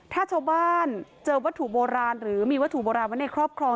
ถ้าชาวบ้านเจอวัตถุโบราณหรือมีวัตถุโบราณไว้ในครอบครอง